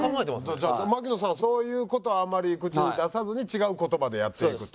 じゃあ槙野さんはそういう事あんまり口に出さずに違う言葉でやっていくと。